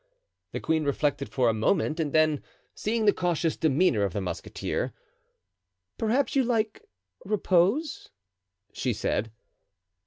The queen reflected for a moment and then, seeing the cautious demeanor of the musketeer: "Perhaps you like repose?" she said.